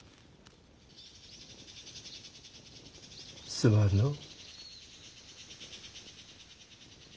すまんのう。